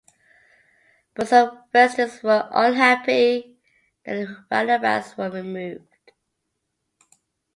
But some residents were unhappy that the roundabouts were removed.